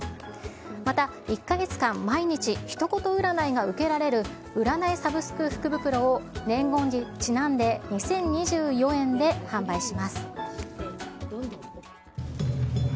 また、１か月間毎日、一言占いが受けられる占いサブスク福袋を年号にちなんで２０２４円で販売します。